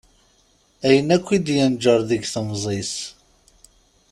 Ayen akk i d-yenǧer deg temẓi-s.